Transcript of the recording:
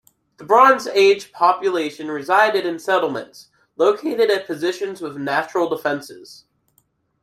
The Bronze Age population resided in settlements located at positions with natural defenses.